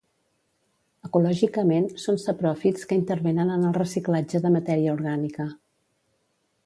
Ecològicament són sapròfits que intervenen en el reciclatge de matèria orgànica.